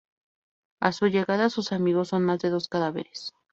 A su llegada, sus amigos son más de dos cadáveres.